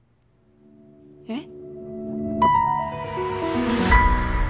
えっ？